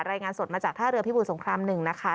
รายงานสดมาจากท่าเรือพิบูรสงคราม๑นะคะ